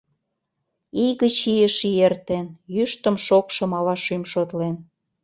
ИЙ ГЫЧ ИЙЫШ ИЙ ЭРТЕН, ЙӰШТЫМ-ШОКШЫМ АВА ШӰМ ШОТЛЕН